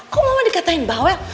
kok mama dikatain bawel